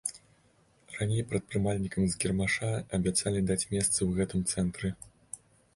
Раней прадпрымальнікам з кірмаша абяцалі даць месцы ў гэтым цэнтры.